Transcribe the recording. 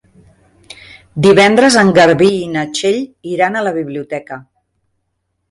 Divendres en Garbí i na Txell iran a la biblioteca.